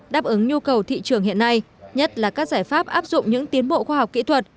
đáp ứng nhu cầu thị trường hiện nay nhất là các giải pháp áp dụng những tiến bộ khoa học kỹ thuật